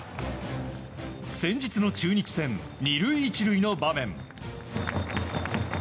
先日の中日戦、２塁１塁の場面。